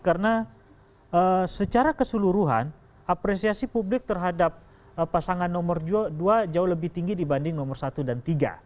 karena secara keseluruhan apresiasi publik terhadap pasangan nomor dua jauh lebih tinggi dibanding nomor satu dan tiga